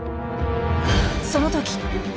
その時！